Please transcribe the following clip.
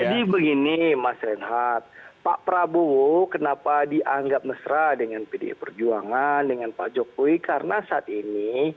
jadi begini mas reinhardt pak prabowo kenapa dianggap mesra dengan pd perjuangan dengan pak jokowi karena saat ini